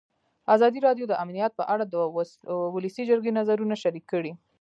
ازادي راډیو د امنیت په اړه د ولسي جرګې نظرونه شریک کړي.